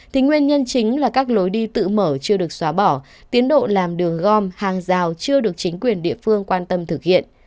thì nguyên nhân chính là các lối đi tự mở chưa được xóa bỏ tiến độ làm đường gom hàng rào chưa được chính quyền địa phương quan tâm thực hiện